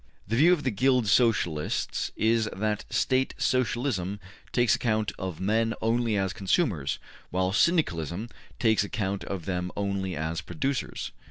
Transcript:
The view of the Guild Socialists is that State Socialism takes account of men only as consumers, while Syndicalism takes account of them only as producers.